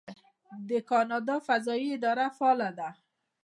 د کاناډا فضایی اداره فعاله ده.